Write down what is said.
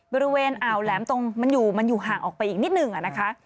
บริเวณอ่าวแหลมตรงมันอยู่มันอยู่ห่างออกไปอีกนิดนึงอะนะคะ